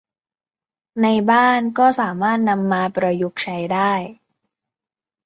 ในบ้านก็สามารถนำมาประยุกต์ใช้ได้